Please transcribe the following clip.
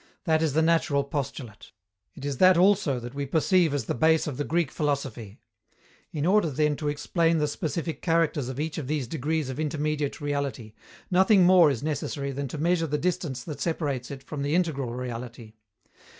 That is the natural postulate. It is that also that we perceive as the base of the Greek philosophy. In order then to explain the specific characters of each of these degrees of intermediate reality, nothing more is necessary than to measure the distance that separates it from the integral reality.